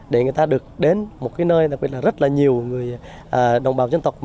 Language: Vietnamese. để người ta được đến một cái nơi đặc biệt là rất là nhiều người đồng bào dân tộc